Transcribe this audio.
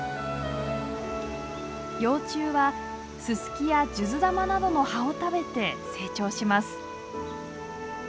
幼虫はススキやジュズダマなどの葉を食べて成長します。